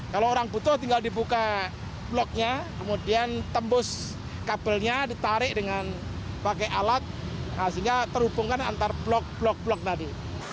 kalau orang butuh tinggal dibuka bloknya kemudian tembus kabelnya ditarik dengan pakai alat sehingga terhubungkan antar blok blok blok tadi